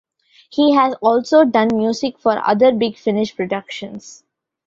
He has also done music for other Big Finish productions.